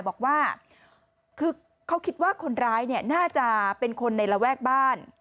บอกว่าคือเขาคิดว่าคนร้ายน่าจะเป็นคนในระแวกบ้าน